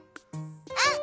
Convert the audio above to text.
うん！